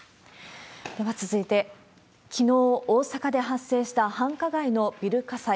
では、続いてきのう、大阪で発生した繁華街のビル火災。